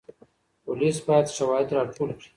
پولیس باید شواهد راټول کړي.